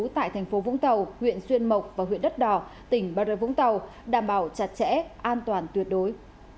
tại thành phố vũng tàu huyện xuyên mộc và huyện đất đỏ tỉnh bà rê vũng tàu đảm bảo chặt chẽ an toàn tuyệt đối